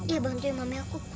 iya bantuin mami aku